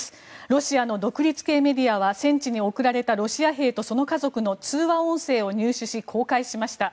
ロシアの独立系メディアは戦地に送られたロシア兵とその家族の通話音声を入手し公開しました。